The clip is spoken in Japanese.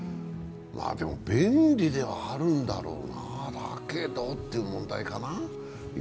でも便利ではあるんだろうな、だけどっていう問題かな。